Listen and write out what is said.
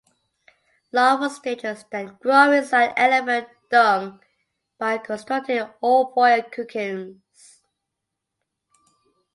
Larval stages then grow inside elephant dung by constructing ovoid cocoons.